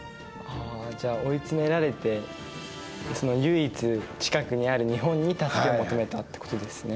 じゃあ追い詰められて唯一近くにある日本に助けを求めたってことですね。